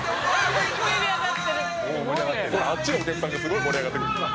「あっちのお客さんがすごい盛り上がってくれてた」